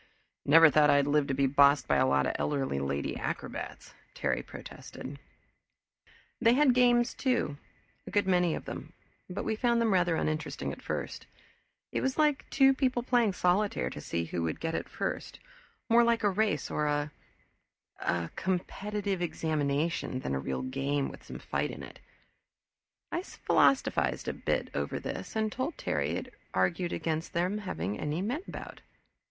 "Never thought I'd live to be bossed by a lot of elderly lady acrobats," Terry protested. They had games, too, a good many of them, but we found them rather uninteresting at first. It was like two people playing solitaire to see who would get it first; more like a race or a a competitive examination, than a real game with some fight in it. I philosophized a bit over this and told Terry it argued against their having any men about.